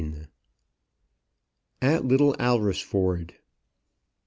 AT LITTLE ALRESFORD.